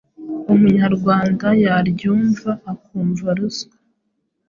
Umunyarwanda yaryumva akumva “ruswa”.